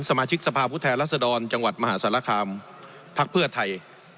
สมาชิกสภาพผู้แทนรัศดรจังหวัดมหาศาลคามพักเพื่อไทย